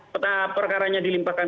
peta perkaranya dilimpahkan